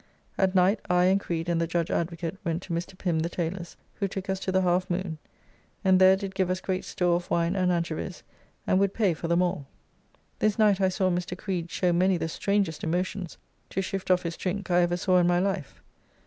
At night I and Creed and the judge Advocate went to Mr. Pim, the tailor's, who took us to the Half Moon, and there did give us great store of wine and anchovies, and would pay for them all. This night I saw Mr. Creed show many the strangest emotions to shift off his drink I ever saw in my life.